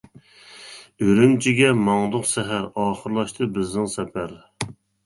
ئۈرۈمچىگە ماڭدۇق سەھەر، ئاخىرلاشتى بىزنىڭ سەپەر.